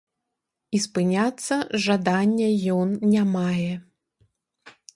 І спыняцца жадання ён не мае.